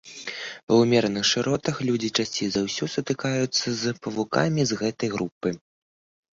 Ва ўмераных шыротах людзі часцей за ўсё сутыкаюцца з павукамі з гэтай групы.